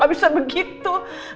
gak bisa begitu